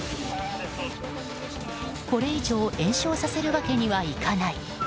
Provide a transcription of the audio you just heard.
これ以上延焼させるわけにはいかない。